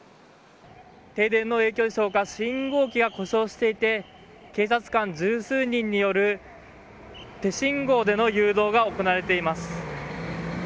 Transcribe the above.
停電の影響でしょうか信号機が故障していて警察官十数人による手信号での誘導が行われています。